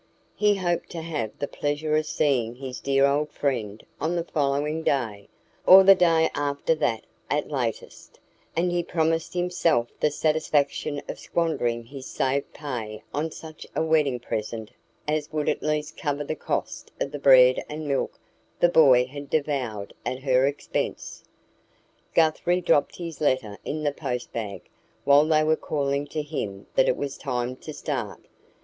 He hoped to have the pleasure of seeing his dear old friend on the following day, or the day after that at latest; and he promised himself the satisfaction of squandering his saved pay on such a wedding present as would at least cover the cost of the bread and milk the boy had devoured at her expense. Guthrie dropped his letter in the post bag while they were calling to him that it was time to start.